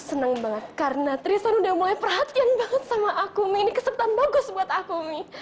senang banget karena trison udah mulai perhatian banget sama aku mini kesempatan bagus buat aku nih